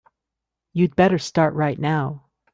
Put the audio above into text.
You'd better start right now.